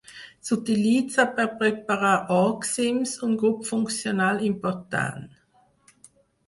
S'utilitza per preparar òxims, un grup funcional important.